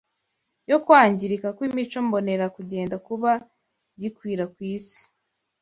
yo kwangirika kw’imico mbonera kugenda kuba gikwira ku isi